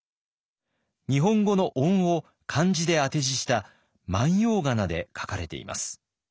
日本語の音を漢字で当て字した万葉仮名で書かれています。